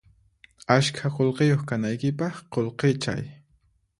Askha qullqiyuq kanaykipaq qullqichay